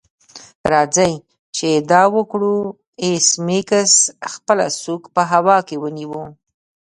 راځئ چې دا وکړو ایس میکس خپله سوک په هوا کې ونیو